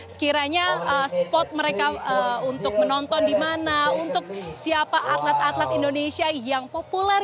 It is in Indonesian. sekiranya spot mereka untuk menonton di mana untuk siapa atlet atlet indonesia yang populer